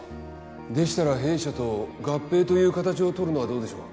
でしたら弊社と合併という形を取るのはどうでしょう。